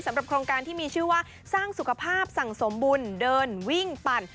โครงการที่มีชื่อว่าสร้างสุขภาพสั่งสมบุญเดินวิ่งปั่น